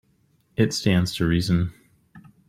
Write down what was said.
It stands to reason.